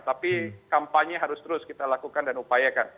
tapi kampanye harus terus kita lakukan dan upayakan